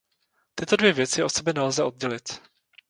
Tyto dvě věci od sebe nelze oddělit.